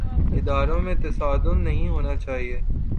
اداروں میں تصادم نہیں ہونا چاہیے۔